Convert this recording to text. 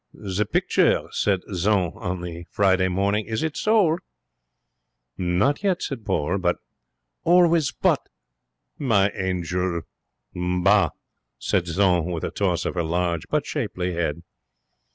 'The picture?' said Jeanne, on the Friday morning. 'Is it sold?' 'Not yet,' said Paul, 'but ' 'Always but!' 'My angel!' 'Bah!' said Jeanne, with a toss of her large but shapely head.